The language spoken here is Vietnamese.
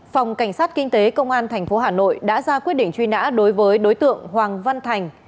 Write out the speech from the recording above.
phòng cảnh sát kinh tế công an tp hà nội đã ra quyết định truy nã đối với đối tượng hoàng văn thành